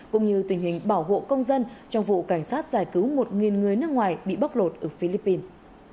cũng như tình hình bảo hộ công dân trong vụ cảnh sát giải cứu một người nước ngoài bị bóc lột ở philippines